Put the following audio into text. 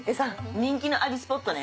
人気のアリスポットね。